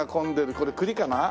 これ栗かな？